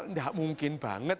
tidak mungkin bahwa